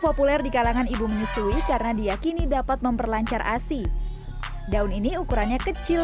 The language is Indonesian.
populer di kalangan ibu menyusui karena diakini dapat memperlancar asi daun ini ukurannya kecil